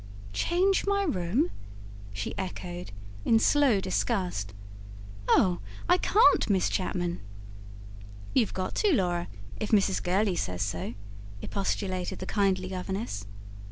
"Change my room?" she echoed, in slow disgust. "Oh, I can't, Miss Chapman!" "You've got to, Laura, if Mrs. Gurley says so," expostulated the kindly governess.